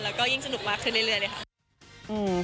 แล้วก็ยิ่งสนุกมากขึ้นเรื่อยเลยค่ะ